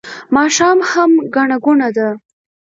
ماښام هم ګڼه ګوڼه ده